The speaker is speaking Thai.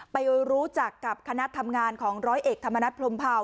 ไปรู้จักกับคณะทำงานของร้อยเอกธรรมนัฐพรมเผา